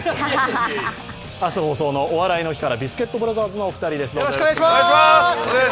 明日放送の「お笑いの日」からビスケットブラザーズのお二人です。